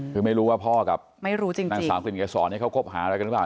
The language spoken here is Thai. คือไม่รู้ว่าพ่อกับนางสามสินเกียร์สอนให้เขาคบหาอะไรกันหรือเปล่า